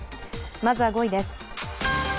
まずは５位です。